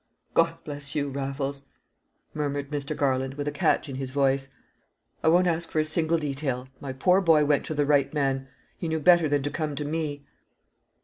"God bless you, Raffles!" murmured Mr. Garland, with a catch in his voice. "I won't ask for a single detail. My poor boy went to the right man; he knew better than to come to me.